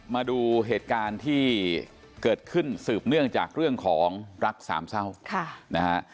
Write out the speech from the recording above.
มาดูเหตุการณ์ที่เกิดขึ้นสืบเนื่องจากเรื่องของรักสามเศร้านะฮะ